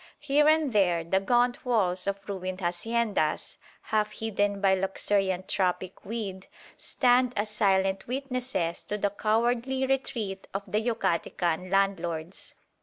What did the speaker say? Here and there the gaunt walls of ruined haciendas, half hidden by luxuriant tropic weed, stand as silent witnesses to the cowardly retreat of the Yucatecan landlords.